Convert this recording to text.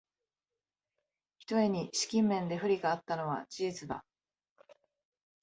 ひとえに資金面で不利があったのは事実だ